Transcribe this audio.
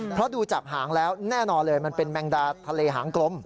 เพราะดูจากหางแล้วแน่นอนเลยมันเป็นแมงดาทะเลหางกลม